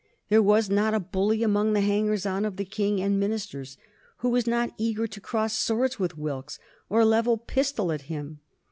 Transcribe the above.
There was not a bully among the hangers on of the King and ministers who was not eager to cross swords with Wilkes or level pistol at him.